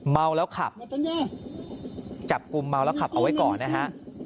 เมาแล้วขับจับกลุ่มเมาแล้วขับเอาไว้ก่อนนะฮะ